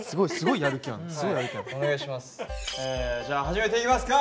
じゃあ始めていきますか。